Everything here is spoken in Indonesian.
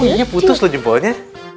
oh iya putus loh jempolnya